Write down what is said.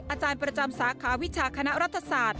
อาจารย์ประจำสาขาวิชาคณะรัฐศาสตร์